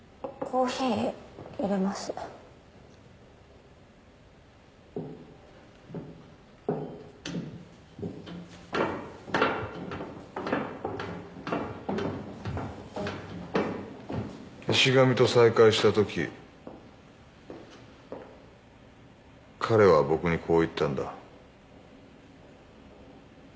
コーヒーいれます石神と再会した時彼は僕にこう言ったんだ